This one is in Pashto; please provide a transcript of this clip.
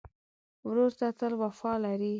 ورور ته تل وفا لرې.